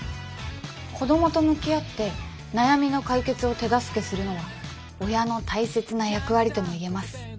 子どもと向き合って悩みの解決を手助けするのは親の大切な役割とも言えます。